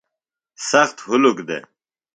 سخت ہُلک دےۡ۔